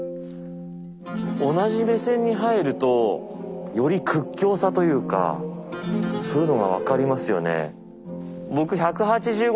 同じ目線に入るとより屈強さというかそういうのが分かりますよね。